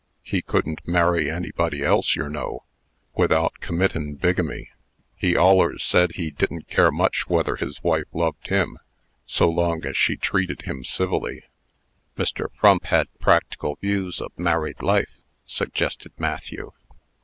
He couldn't marry anybody else, yer know, without committin' bigamy. He allers said he didn't care much whether his wife loved him, so long as she treated him civilly." "Mr. Frump had practical views of married life," suggested Matthew.